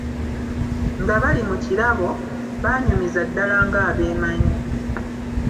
Nga bali mu kirabo, baanyumiza ddala ng'abeemanyi.